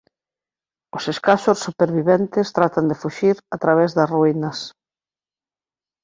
Os escasos superviventes tratan de fuxir a través das ruínas.